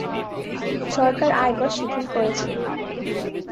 সরকার আয়কর শিথিল করেছে।